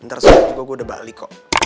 ntar soalnya gue udah balik kok